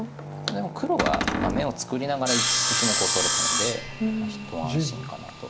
でも黒は眼を作りながら１目を取れたので一安心かなと。